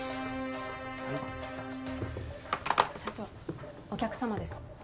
社長お客様です。